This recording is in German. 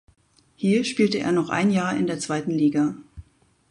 Hier spielte er noch ein Jahr in der zweiten Liga.